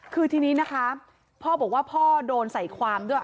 คือทีนี้นะคะพ่อบอกว่าพ่อโดนใส่ความด้วย